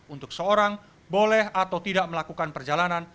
untuk seorang boleh atau tidak melakukan perjalanan